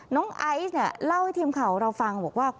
ไอซ์เนี่ยเล่าให้ทีมข่าวเราฟังบอกว่า